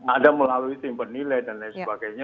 ada melalui tim penilai dan lain sebagainya